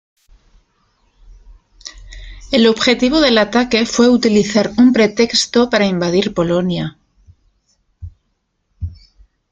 El objetivo del ataque fue utilizar un pretexto para invadir Polonia.